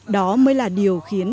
đó mới là điều khiến